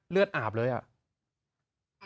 เลือดอาบเลยอ่ะ